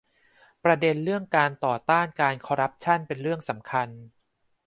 ประเด็นเรื่องการต่อต้านการคอร์รัปชั่นเป็นเรื่องสำคัญ